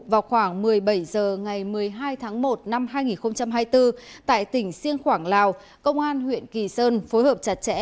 vào khoảng một mươi bảy h ngày một mươi hai tháng một năm hai nghìn hai mươi bốn tại tỉnh siêng khoảng lào công an huyện kỳ sơn phối hợp chặt chẽ